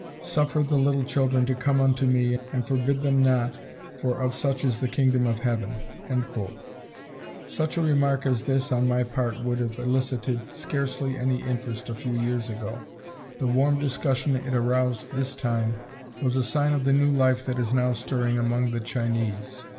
"Suffer the little children to come unto me and forbid them not, for of such is the Kingdom of Heaven." Such a remark as this on my part would have elicited scarcely any interest a few years ago. The warm discussion it aroused this time was a sign of the new life that is now stirring among the Chinese.